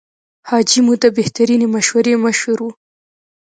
حاجي مو د بهترینې مشورې مشر و.